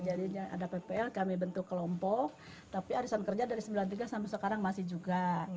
jadi ada ppl kami bentuk kelompok tapi arisan kerja dari seribu sembilan ratus sembilan puluh tiga sampai sekarang masih juga